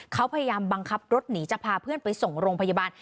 เขาพยายามบังคับรถหนีจะพาเพื่อนไปส่งโรงพยาบาล